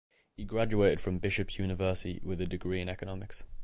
He graduated from Bishop's University with a degree in economics.